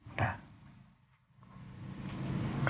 dan kamu terlalu